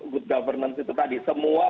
good governance itu tadi semua